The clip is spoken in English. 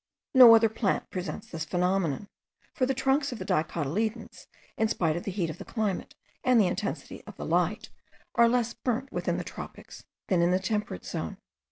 No other plant presents this phenomenon; for the trunks of the dicotyledons, in spite of the heat of the climate, and the intensity of the light, are less burnt within the tropics than in the temperate zone.